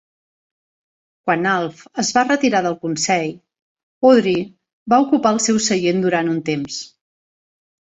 Quan Alf es va retirar del consell, Audrey va ocupar el seu seient durant un temps.